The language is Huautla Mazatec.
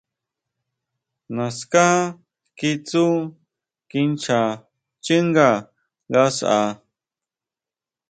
Naská kitsú kinchá xchínga ngasʼa.